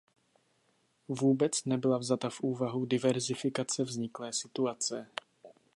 Vůbec nebyla vzata v úvahu diverzifikace vzniklé situace.